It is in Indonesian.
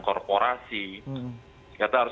korporasi kita harus